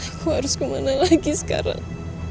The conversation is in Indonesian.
aku harus kemana lagi sekarang